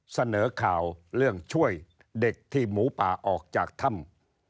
เสนอข่าวเรื่องช่วยเด็กที่หมูป่าออกจากถ้ำ